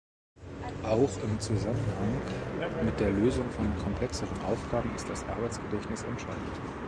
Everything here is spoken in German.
Auch im Zusammenhang mit der Lösung von komplexeren Aufgaben ist das Arbeitsgedächtnis entscheidend.